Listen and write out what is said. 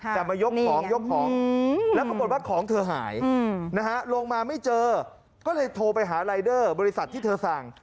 แต่มายกของยกของแล้วปรากฏว่าของเธอหายนะฮะลงมาไม่เจอก็เลยโทรไปหารายเดอร์บริษัทที่เธอสั่ง